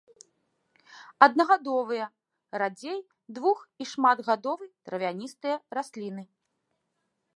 Аднагадовыя, радзей двух- і шматгадовы травяністыя расліны.